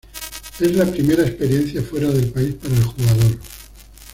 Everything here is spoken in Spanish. Es la primera experiencia fuera del país para el jugador.